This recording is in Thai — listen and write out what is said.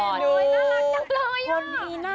โอ้ยน่ารักจังเลยอะ